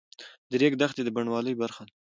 د ریګ دښتې د بڼوالۍ برخه ده.